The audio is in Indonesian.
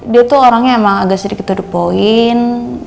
dia tuh orangnya emang agak sedikit terpoint